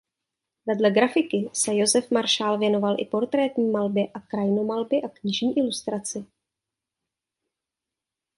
Vedle grafiky se Josef Maršál věnoval i portrétní malbě a krajinomalbě a knižní ilustraci.